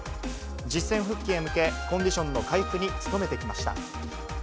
実戦復帰へ向け、コンディションの回復に努めてきました。